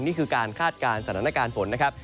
นี่คือการคาดการณ์สถานการณ์ฝนนะครับ